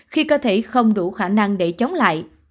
khi cơ thể không đủ khả năng để chống lại